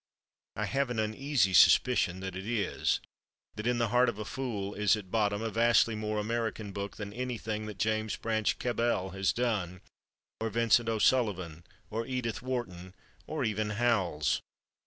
I have an uneasy suspicion that it is—that "In the Heart of a Fool" is, at bottom, a vastly more American book than anything that James Branch Cabell has done, or Vincent O'Sullivan, or Edith Wharton, or even Howells.